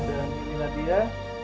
dan inilah dia